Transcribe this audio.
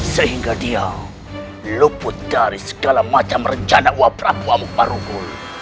sehingga dia luput dari segala macam rencana aku prabu amparukul